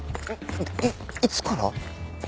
いいつから？